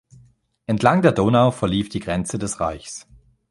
Entlang der Donau verlief die Grenze des Reichs.